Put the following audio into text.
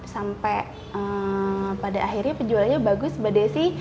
sampai pada akhirnya penjualannya bagus mbak desi